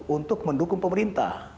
untuk mendukung pemerintah